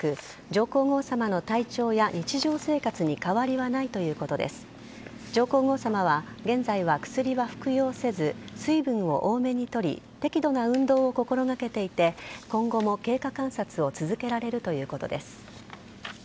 上皇后さまは現在は薬は服用せず水分を多めにとり適度な運動を心がけていて今後も経過観察を続けられるということです。